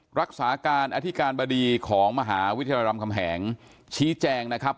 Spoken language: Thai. รักษาการอธิการบดีของมหาวิทยาลัยรำคำแหงชี้แจงนะครับ